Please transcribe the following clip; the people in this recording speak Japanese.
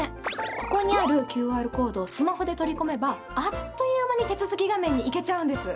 ここにあるＱＲコードをスマホで取り込めばあっという間に手続き画面に行けちゃうんです。